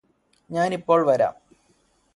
ഞാനിപ്പോള് വരാം